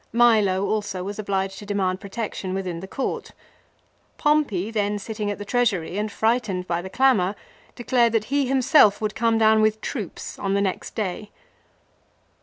Milo also was obliged to demand protection within the court. Pompey, then sitting at the Treasury and frightened by the clamour, declared that he himself would come down with troops on the next day.